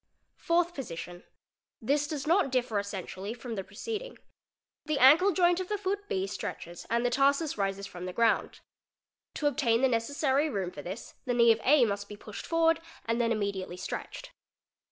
Fourth Position—This does not differ essentially from the preceding. 'The ankle joint of the foot B stretches and the tarsus rises from the ground. 'To obtain the necessary room for this the knee of A must be pushed forward and then immediately stretched.